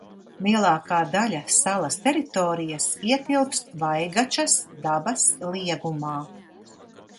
Lielākā daļa salas teritorijas ietilpst Vaigačas dabas liegumā.